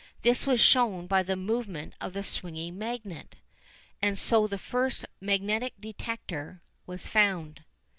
This was shown by the movement of the swinging magnet, and so the first "magnetic detector" was found.